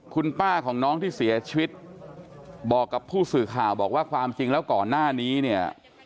คุณป้าของน้องที่เสียชีวิตบอกกับผู้สื่อข่าวบอกว่าความจริงแล้วก่อนหน้านี้เนี่ย